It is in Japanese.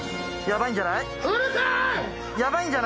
ヤバいんじゃない？